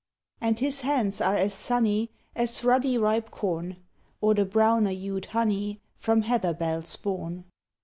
And his hands are as sunny As ruddy ripe corn Or the browner hued honey From heather bells borne.